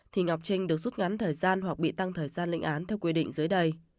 thì ngọc trinh được rút ngắn thời gian hoặc bị tăng thời gian lệnh án theo quy định dưới đây